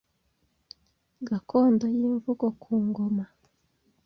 Gakondo y’imvugo ku ngoma